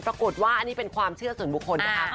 ปรากฏว่าอันนี้เป็นความเชื่อส่วนบุคคลนะคะ